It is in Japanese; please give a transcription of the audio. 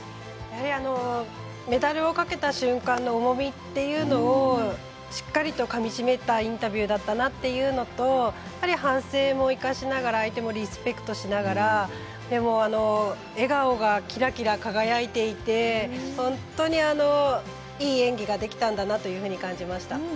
やはりメダルをかけた瞬間の重みというのをしっかりとかみしめたインタビューだったなというのと、やっぱり反省も生かしながら相手もリスペクトしながらでも笑顔がきらきら輝いていて本当にいい演技ができたんだなというふうに感じました。